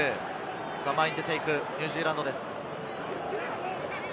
前に出ていく、ニュージーランド。